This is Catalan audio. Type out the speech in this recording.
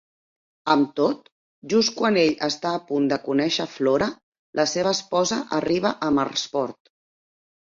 Amb tot, just quan ell està a punt de conèixer Flora, la seva esposa arriba a Marsport.